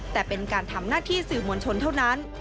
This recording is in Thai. แต่เป็นการทำหน้าที่สื่อมวลชนเท่านั้น